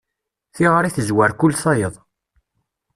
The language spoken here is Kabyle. Tiɣri tezwar kul tayeḍ.